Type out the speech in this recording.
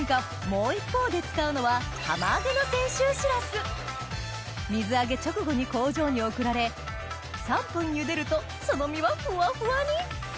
もう一方で使うのは水揚げ直後に工場に送られ３分ゆでるとその身はふわふわに！